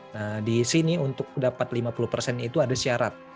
nah disini untuk dapat lima puluh itu ada syarat